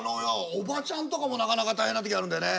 おばちゃんとかもなかなか大変な時あるんだよね。